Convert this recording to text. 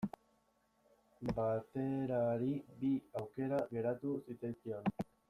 Baterari bi aukera geratu zitzaizkion.